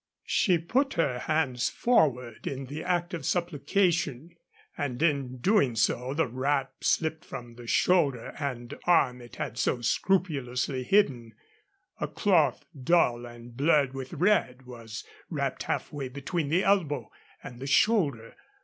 She put her hands forward in the act of supplication, and in doing so the wrap slipped from the shoulder and arm it had so scrupulously hidden. A cloth, dull and blurred with red, was wrapped half way between the elbow and the shoulder.